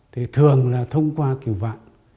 thì thường là thông qua kiểu vạn